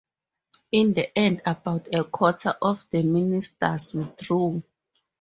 In the end, about a quarter of the ministers withdrew.